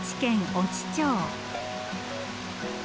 越知町。